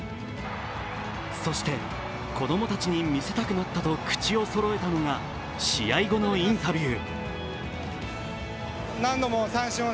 そして、子供たちに見せたくなったと口をそろえたのが、試合後のインタビュー。